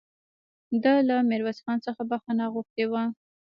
ده له ميرويس خان څخه بخښنه غوښتې وه